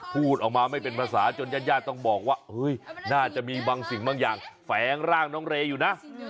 พูดออกมาไม่เป็นภาษาจนญาติญาติต้องบอกว่าน่าจะมีบางสิ่งบางอย่างแฝงร่างน้องเรย์อยู่นะ